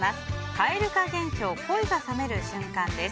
蛙化現象恋が冷める瞬間です。